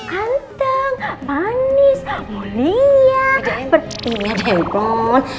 kiki anteng manis mulia berpimia demplon